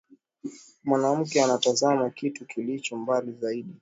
Mwanamke anatazama kitu kilicho mbali zaidi.